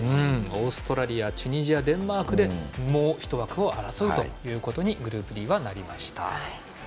オーストラリアチュニジア、デンマークでもう１枠を争うということにグループＤはなりました。